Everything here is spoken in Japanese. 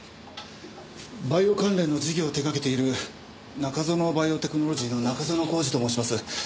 バイオ関連の事業を手掛けている中園バイオテクノロジーの中園宏司と申します。